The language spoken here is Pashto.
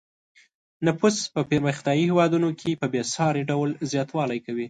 نفوس په پرمختیايي هېوادونو کې په بې ساري ډول زیاتوالی کوي.